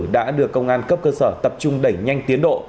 đã được công an cấp cơ sở tập trung đẩy nhanh tiến độ